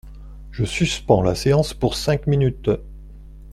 Je suspends la séance pour cinq minutes.